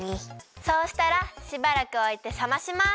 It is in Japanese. そうしたらしばらくおいてさまします。